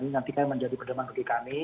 nanti kami menjadi pendekatan bagi kami